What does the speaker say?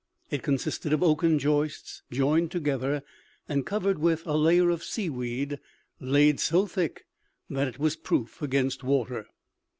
It consisted of oaken joists joined together and covered with a layer of seaweed laid so thick that it was proof against water.